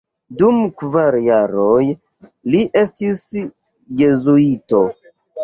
Dum kvar jaroj li estis jezuito.